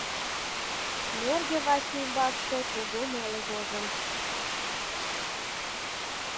Нӧргӧ ваче ӱмбакше кугу неле возын.